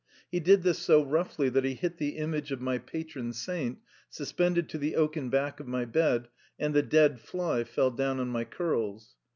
He did this so roughly that he hit the image of my patron saint suspended to the oaken back of my bed, and the dead fly fell down on my curls.